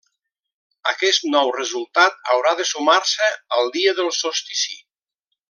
Aquest nou resultat haurà de sumar-se al dia del solstici.